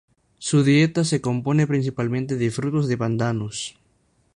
Su dieta se compone principalmente de frutos de pandanus.